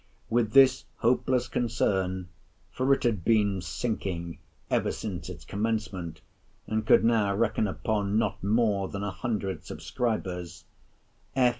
With this hopeless concern—for it had been sinking ever since its commencement, and could now reckon upon not more than a hundred subscribers—F.